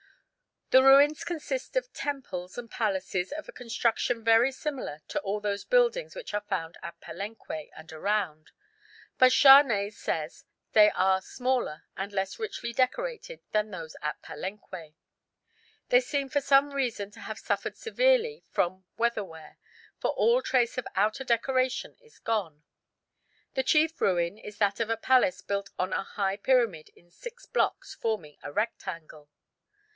The ruins consist of temples and palaces of a construction very similar to all those buildings which are found at Palenque and around; but Charnay says they are smaller and less richly decorated than those at Palenque. They seem for some reason to have suffered severely from weather wear, for all trace of outer decoration is gone. The chief ruin is that of a palace built on a high pyramid in six blocks, forming a rectangle.